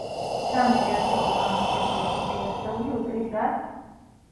ცამეტ ერთეულს გამოკლებული ხუთი ერთეული უდრის რას?